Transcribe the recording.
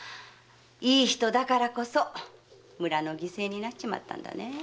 いい人だからこそ村の犠牲になっちまって。